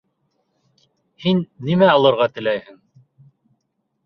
Һин нимә алырға теләйһең?